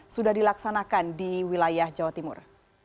sudah dilaksanakan di wilayah jawa timur